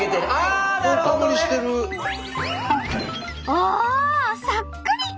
おおそっくり！